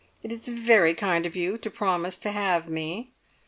It is very kind of you to promise to have me.